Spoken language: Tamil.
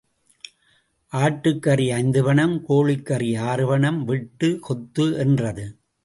ஆட்டுக்கறி ஐந்து பணம், கோழிக்கறி ஆறு பணம் வெட்டு, கொத்து என்றது.